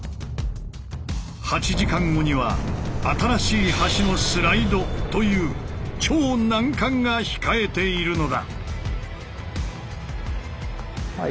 ８時間後には「新しい橋のスライド」という超難関が控えているのだ。